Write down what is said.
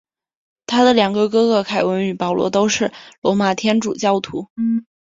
他和两个哥哥凯文与保罗都是罗马天主教徒。